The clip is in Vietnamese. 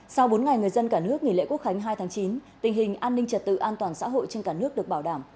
sau bốn ngày người dân cả nước nghỉ lễ quốc khánh hai tháng chín tình hình an ninh trật tự an toàn xã hội trên cả nước được bảo đảm